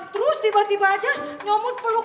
terus tiba tiba aja nyomut peluk